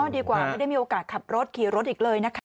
ดีกว่าไม่ได้มีโอกาสขับรถขี่รถอีกเลยนะคะ